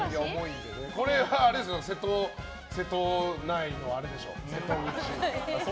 これは瀬戸内のあれでしょ。